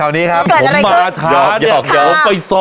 เอาอยู่ดิ